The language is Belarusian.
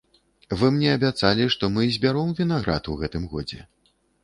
Вы мне абяцалі, што мы збяром вінаград у гэтым годзе.